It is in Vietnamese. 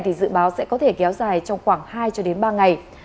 thì dự báo sẽ có thể kéo dài trong khoảng hai cho đến ba ngày